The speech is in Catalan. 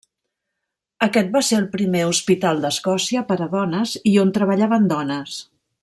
Aquest va ser el primer hospital d'Escòcia per a dones i on treballaven dones.